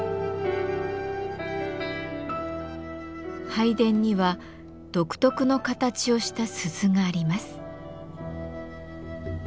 拝殿には独特の形をした鈴があります。